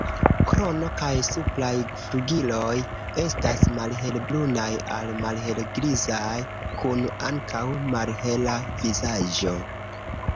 Krono kaj supraj flugiloj estas malhelbrunaj al malhelgrizaj, kun ankaŭ malhela vizaĝo.